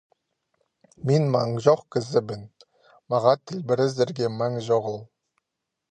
Мин маң чох кізібін, мағаа тілбірізерге маң чоғыл!